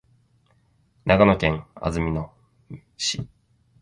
長野県安曇野市